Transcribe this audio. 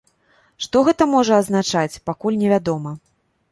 Што гэта можа азначаць, пакуль невядома.